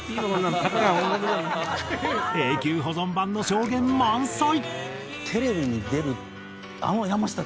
永久保存版の証言満載。